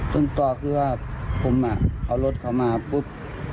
ต้นต่อคือว่าผมเอารถเขามาปุ๊บ